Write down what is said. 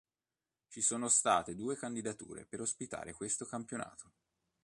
Ci sono state due candidature per ospitare questo campionato.